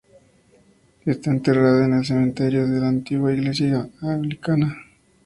Está enterrado en el cementerio de la antigua iglesia anglicana.